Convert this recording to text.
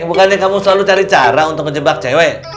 ceng bukannya kamu selalu cari cara untuk kejebak cewek